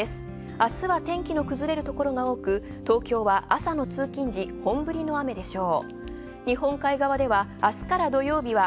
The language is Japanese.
明日は天気の崩れるところが多く、東京は朝の通勤時、本降りの雨でしょう。